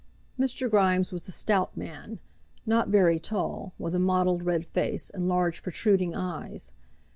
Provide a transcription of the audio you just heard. Mr. Grimes was a stout man, not very tall, with a mottled red face, and large protruding eyes.